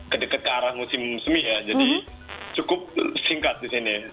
ke dekat ke arah musim semi ya jadi cukup singkat di sini